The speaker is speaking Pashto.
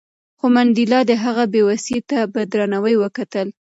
خو منډېلا د هغه بې وسۍ ته په درناوي وکتل.